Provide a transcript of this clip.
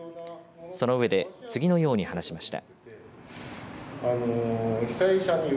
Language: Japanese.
その上で次のように話しました。